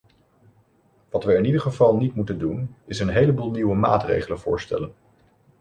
Wat we in ieder geval niet moeten doen is een heleboel nieuwe maatregelen voorstellen.